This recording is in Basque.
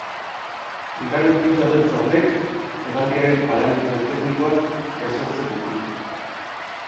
Bigarren kutxa beltza honek hegaldiaren parametro teknikoak jasotzen ditu.